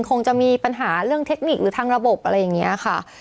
คงจะมีปัญหาเรื่องเทคนิคหรือทางระบบอะไรอย่างนี้ค่ะ